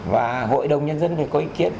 và hội đồng nhân dân phải có ý kiến